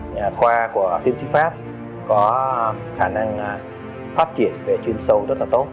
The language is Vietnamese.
nhà khoa của tiến sĩ pháp có khả năng phát triển về chuyên sâu rất là tốt